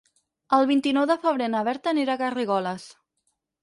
El vint-i-nou de febrer na Berta anirà a Garrigoles.